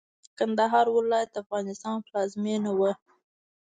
کندهار ولايت د افغانستان پلازمېنه وه.